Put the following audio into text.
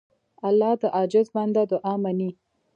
الله د عاجز بنده دعا منې.